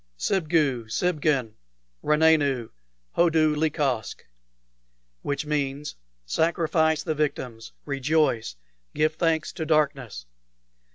"Sibgu Sibgin! Ranenu! Hodu lecosck!" which means, "Sacrifice the victims! Rejoice! Give thanks to darkness!"